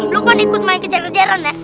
lukman ikut main kejaran kejaran ya